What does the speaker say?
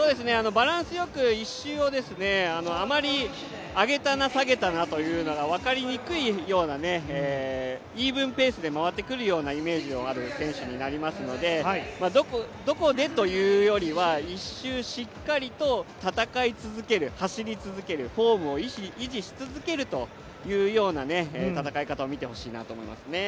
バランスよく１周をあまり上げたな、下げたなというのが分かりにくいようなイーブンペースで回ってくるイメージのある選手になりますのでどこでというよりは１周しっかりと戦い続ける走り続ける、フォームを維持し続けるというような戦い方を見てほしいなと思いますね。